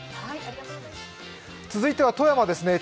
続いては富山です。